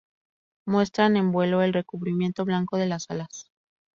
Muestran en vuelo el recubrimiento blanco de las alas.